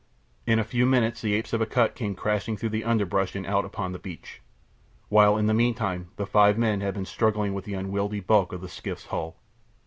In a few minutes the apes of Akut came crashing through the underbrush and out upon the beach, while in the meantime the five men had been struggling with the unwieldy bulk of the skiff's hull.